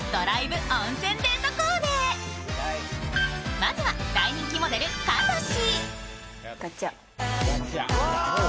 まずは大人気モデル、かとし。